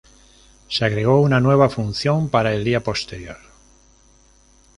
Se agregó una nueva función para el día posterior.